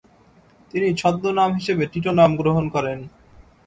তিনি ছদ্মনাম হিসেবে টিটো নাম গ্রহণ করেন।